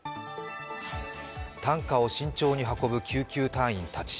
担架を慎重に運ぶ救急隊員たち。